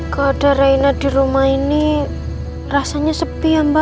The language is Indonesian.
kalo ada reina di rumah ini rasanya sepi ya mba